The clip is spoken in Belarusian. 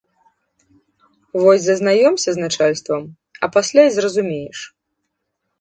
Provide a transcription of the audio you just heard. Вось зазнаёмся з начальствам, а пасля і зразумееш.